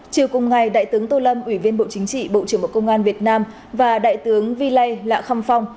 chiều cùng ngày đại tướng tô lâm ủy viên bộ chính trị bộ trưởng bộ công an việt nam và đại tướng vi lây lạ khăm phong